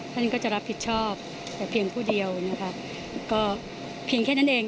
ท่านก็จะรับผิดชอบแต่เพียงผู้เดียวนะคะก็เพียงแค่นั้นเอง